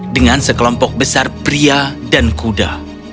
dengan sekelompok besar pria dan kuda